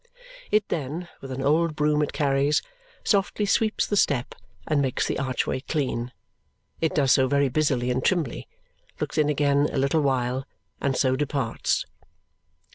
It then, with an old broom it carries, softly sweeps the step and makes the archway clean. It does so very busily and trimly, looks in again a little while, and so departs.